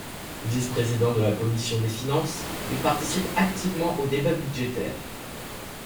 Vice-président de la commission des finances, il participe activement aux débats budgétaires.